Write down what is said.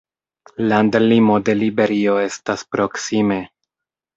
Landlimo de Liberio estas proksime.